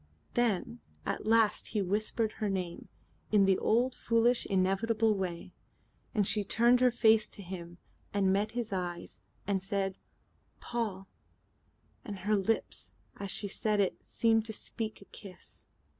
Then at last he whispered her name, in the old foolish and inevitable way. And she turned her face to him, and met his eyes and said "Paul," and her lips as she said it seemed to speak a kiss.